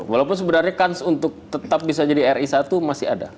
walaupun sebenarnya kans untuk tetap bisa jadi ri satu masih ada